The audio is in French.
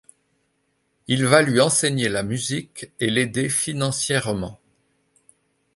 Il va lui enseigner la musique et l'aider financièrement.